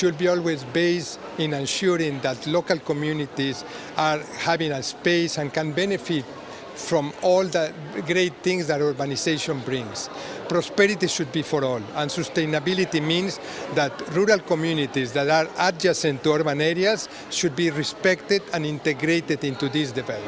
dan kesehatan berarti komunitas lokal yang beradab dengan kawasan urban harus dihormati dan diintegrasikan ke pembangunan ini